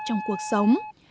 trong cuộc sống